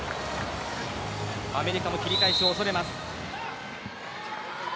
アメリカも切り返しを恐れます。